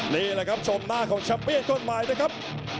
นี่แหละครับชมหน้าของแชมเปียนต้นใหม่นะครับ